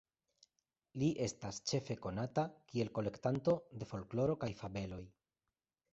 Li estas ĉefe konata kiel kolektanto de folkloro kaj fabeloj.